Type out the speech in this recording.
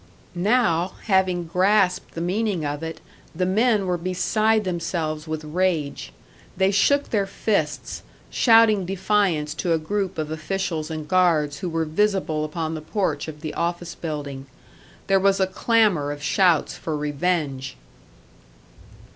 Now, having grasped the meaning of it, the men were beside themselves with rage. They shook their fists, shouting defiance to a group of officials and guards who were visible upon the porch of the office building. There was a clamour of shouts for revenge.